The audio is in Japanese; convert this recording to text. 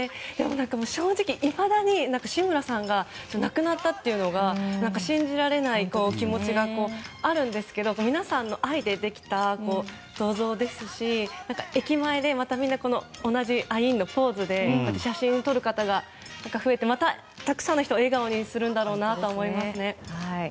正直いまだに志村さんが亡くなったというのが信じられない気持ちがあるんですが皆さんの愛でできた銅像ですし駅前でみんな同じアイーンのポーズで写真を撮る方が増えてまたたくさんの人を笑顔にするんだろうなと思いますね。